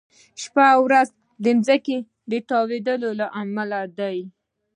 شپې او ورځې د ځمکې د تاوېدو له امله دي.